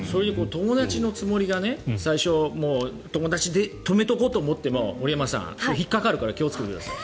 友達のつもりが最初、友達で止めておこうと思っても森山さん、引っかかるから気をつけてください。